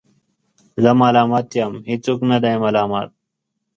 زه ملامت یم ، هیڅوک نه دی ملامت